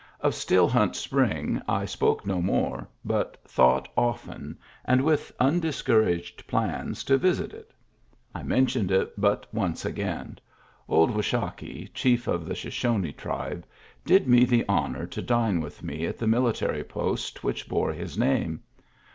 Of Still Hunt Spring I spoke no more, but thought often, and with un discouraged plans to visit it. I mentioned it but once again. Old Washakie, chief of the Shoshone tribe, did me the honor to dine with me at the military post which bore his name.